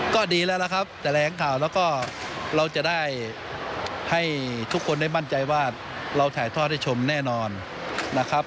ก็ดีแล้วล่ะครับแถลงข่าวแล้วก็เราจะได้ให้ทุกคนได้มั่นใจว่าเราถ่ายทอดให้ชมแน่นอนนะครับ